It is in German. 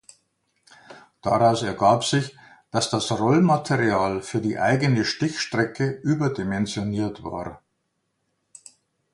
Daraus ergab sich, dass das Rollmaterial für die eigene Stichstrecke überdimensioniert war.